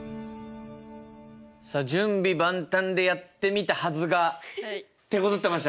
さあ準備万端でやってみたはずがてこずってましたね。